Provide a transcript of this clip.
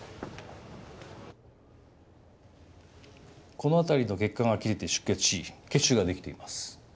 この辺りの血管が切れて出血し血腫が出来ています。